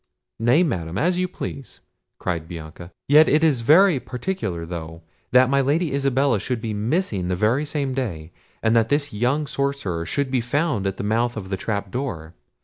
"Nay, Madam, as you please," cried Bianca; "yet it is very particular though, that my Lady Isabella should be missing the very same day, and that this young sorcerer should be found at the mouth of the trap door.